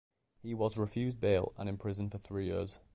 He was refused bail, and imprisoned for three years.